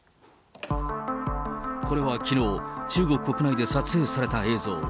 これはきのう、中国国内で撮影された映像。